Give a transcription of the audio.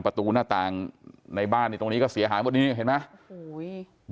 ประตูหน้าต่างในบ้านนี่ตรงนี้ก็เสียหายหมดนี้เห็นไหมโอ้โห